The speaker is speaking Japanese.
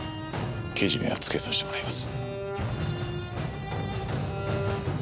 けじめはつけさしてもらいます。